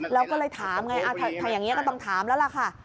แล้วก็เลยถามไงถ้าอย่างนี้ก็ต้องถามแล้วล่ะค่ะ